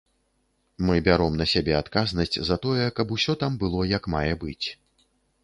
Мы бяром на сябе адказнасць за тое, каб усё там было як мае быць.